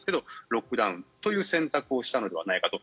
ロックダウンという選択をしたのではないかと。